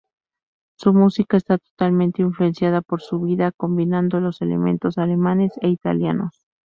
Su música está totalmente influenciada por su vida, combinando los elementos alemanes e italianos.